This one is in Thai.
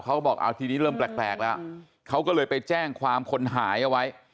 เขาบอกเอาทีนี้เริ่มแปลกแล้วเขาก็เลยไปแจ้งความคนหายเอาไว้